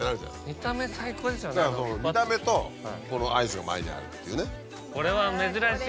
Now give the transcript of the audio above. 見た目とこのアイスが前にあるっていうね。